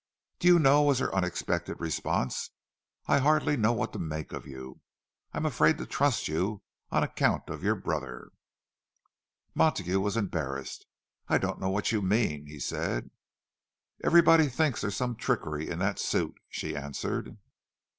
"Do you know," was her unexpected response, "I hardly know what to make of you. I'm afraid to trust you, on account of your brother." Montague was embarrassed. "I don't know what you mean," he said. "Everybody thinks there's some trickery in that suit," she answered.